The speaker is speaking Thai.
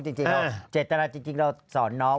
จริงเจ็ดตาลันจริงเราสอนน้อง